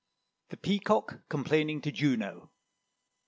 THE PEACOCK COMPLAINING TO JUNO.